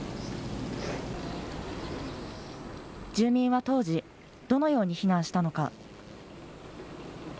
住民は当時、どのように避難したのか。